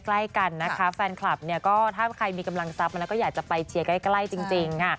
ใกล้กันนะคะแฟนคลับเนี่ยก็ถ้าใครมีกำลังทรัพย์แล้วก็อยากจะไปเชียร์ใกล้จริงค่ะ